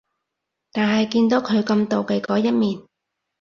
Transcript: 但係見到佢咁妒忌嗰一面